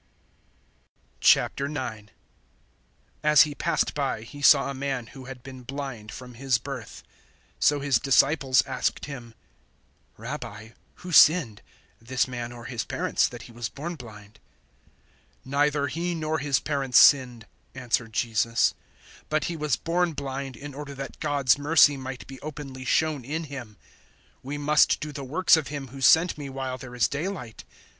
009:001 As He passed by, He saw a man who had been blind from his birth. 009:002 So His disciples asked Him, "Rabbi, who sinned this man or his parents that he was born blind?" 009:003 "Neither he nor his parents sinned," answered Jesus, "but he was born blind in order that God's mercy might be openly shown in him. 009:004 We must do the works of Him who sent me while there is daylight.